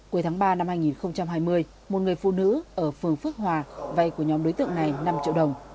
cuối tháng ba năm hai nghìn hai mươi một người phụ nữ ở phường phước hòa vay của nhóm đối tượng này năm triệu đồng